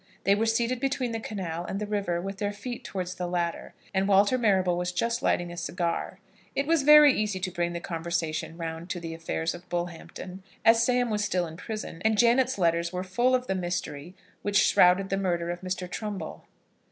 They were seated between the canal and the river, with their feet towards the latter, and Walter Marrable was just lighting a cigar. It was very easy to bring the conversation round to the affairs of Bullhampton, as Sam was still in prison, and Janet's letters were full of the mystery which shrouded the murder of Mr. Trumbull.